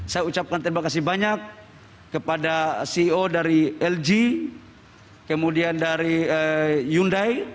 saya ucapkan terima kasih banyak kepada ceo dari lg kemudian dari hyundai